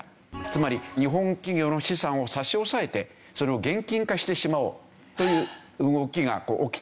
つまり日本企業の資産を差し押さえてそれを現金化してしまおうという動きが起きていたんですけど。